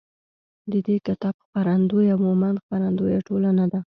د دې کتاب خپرندویه مومند خپروندویه ټولنه ده.